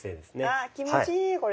あ気持ちいいこれ。